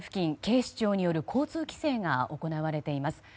警視庁による交通規制が行われています。